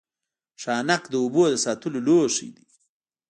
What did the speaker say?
ښانک د اوبو د ساتلو لوښی دی